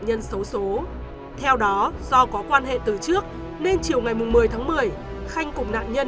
nhân xấu số theo đó do có quan hệ từ trước nên chiều ngày một mươi tháng một mươi khanh cùng nạn nhân